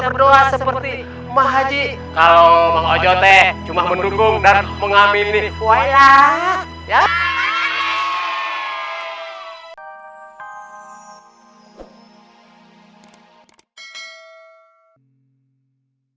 allah seperti mahaji kalau mau jodoh cuma mendukung dan mengamini waya ya